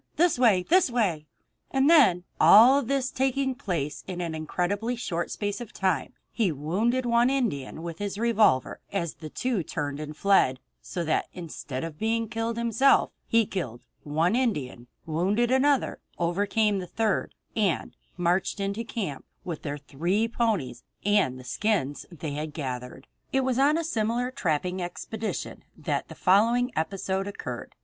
This way! This way!" And then all this taking place in an incredibly short space of time he wounded one Indian with his revolver as the two turned and fled; so that, instead of being killed himself, he killed one Indian, wounded another, overcame the third, and marched into camp with their three ponies and all the skins that they had gathered. It was on a similar trapping expedition that the following episode occurred.